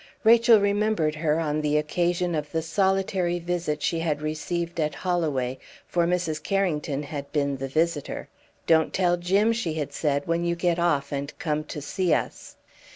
Rachel remembered her on the occasion of the solitary visit she had received at Holloway for Mrs. Carrington had been the visitor. "Don't tell Jim," she had said, "when you get off and come to see us."